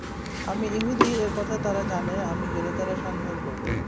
আমি ইহুদী এ কথা তারা জানে আমি গেলে তারা সন্দেহ করবে।